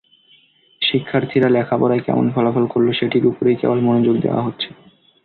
শিক্ষার্থীরা লেখাপড়ায় কেমন ফলাফল করল, সেটির ওপরেই কেবল মনোযোগ দেওয়া হচ্ছে।